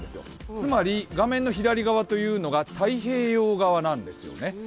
つまり画面の左側というのが太平洋側なんですよね。